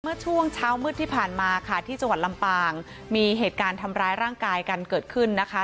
เมื่อช่วงเช้ามืดที่ผ่านมาค่ะที่จังหวัดลำปางมีเหตุการณ์ทำร้ายร่างกายกันเกิดขึ้นนะคะ